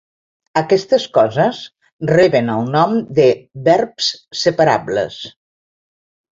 Aquestes coses reben el nom de "verbs separables."